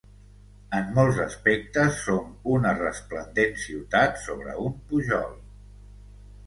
En molts aspectes som una resplendent ciutat sobre un pujol.